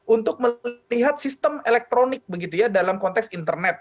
untuk melihat sistem elektronik begitu ya dalam konteks internet